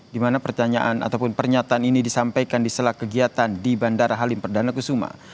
di mana pertanyaan ataupun pernyataan ini disampaikan di sela kegiatan di bandara halim perdana kusuma